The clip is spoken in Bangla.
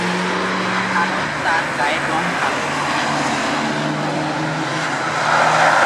কারণ তার গায়ের রং কালো।